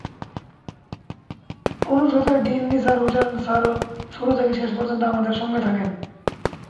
অনুষদের ডিন নিসার হোসেন স্যারও শুরু থেকে শেষ পর্যন্ত আমাদের সঙ্গে থাকেন।